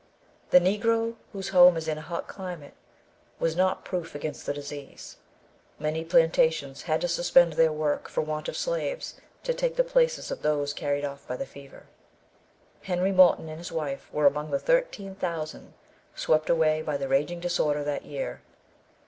The Negro, whose home is in a hot climate, was not proof against the disease. Many plantations had to suspend their work for want of slaves to take the places of those carried off by the fever. Henry Morton and wife were among the thirteen thousand swept away by the raging disorder that year.